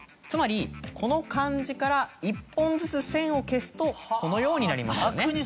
つまりこの漢字から１本ずつ線を消すとこのようになりますよね。